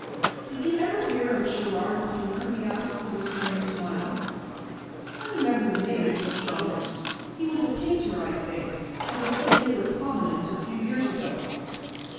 "Did you ever hear of Sherrard Plumer?" he asked, with a strange smile. "I remember the name," said Chalmers. "He was a painter, I think, of a good deal of prominence a few years ago."